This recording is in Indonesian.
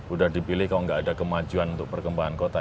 udah dipilih kalau nggak ada kemajuan untuk perkembangan kota